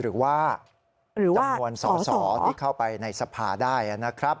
หรือว่าหรือว่าจั่อสอที่เข้าไปในสพาอ์ได้น่ะครับ